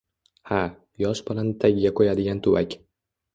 — Ha, yosh bolani tagiga qo‘yadigan tuvak.